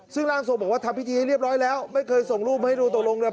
ซึ่งร่างทรงบอกว่าทำพิธีให้เรียบร้อยแล้วไม่เคยส่งรูปมาให้ดูตกลงเลย